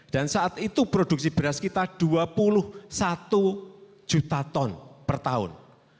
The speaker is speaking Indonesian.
dan saat itu produksi beras kita dua puluh satu juta ton per tahun